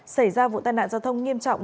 xảy ra vụ tai nạn giao thông nghiêm trọng